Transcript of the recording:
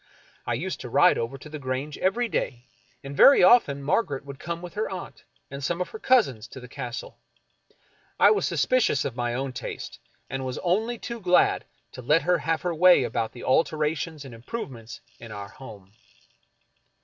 I used to ride over to the Grange every day, and very often Margaret would come with her aunt and some of her cousins to the Castle. I was suspicious of my own taste, and was only too glad to let her have her way about the alterations and improve ments in our home.